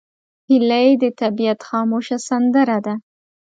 هیلۍ د طبیعت خاموشه سندره ده